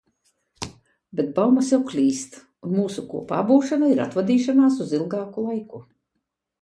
Bet baumas jau klīst, un mūsu kopābūšana ir atvadīšanās uz ilgāku laiku.